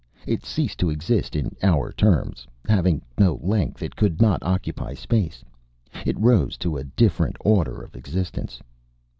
It ceased to exist in our terms. Having no length it could not occupy space. It rose to a different order of existence.